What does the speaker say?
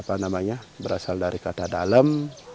apa namanya berasal dari kata dalam